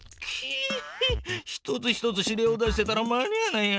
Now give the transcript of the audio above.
一つ一つ指令を出してたら間に合わないや。